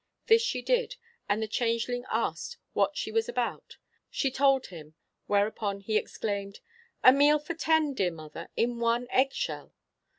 This she did, and the changeling asked what she was about. She told him. Whereupon he exclaimed, 'A meal for ten, dear mother, in one egg shell?'